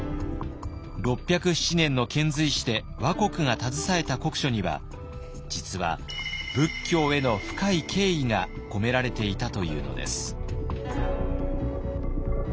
６０７年の遣隋使で倭国が携えた国書には実は仏教への深い敬意が込められていたというのです。